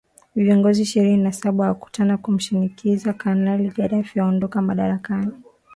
viongozi ishirini na saba wakutana kumshinikiza kanali gaddafi aondoka madarakani